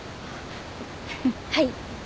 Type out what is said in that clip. はい。